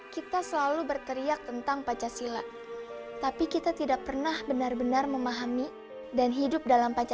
kain karya pelajar sman sebelas bandung